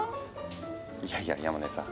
いやいや山根さん